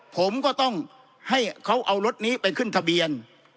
ผมก็ต้องให้เขาเอารถนี้ไปขึ้นทะเบียน